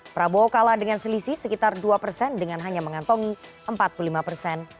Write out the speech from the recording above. prabowo kalah dengan selisih sekitar dua persen dengan hanya mengantongi empat puluh lima persen